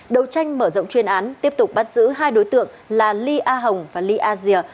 đầu tranh mở rộng chuyên án tiếp tục bắt giữ hai đối tượng là ly a hồng và ly a dìa